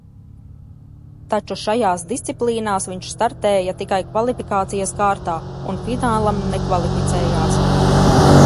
Taču šajās diciplīnās viņš startēja tikai kvalifikācijas kārtā un finālam nekvalificējās.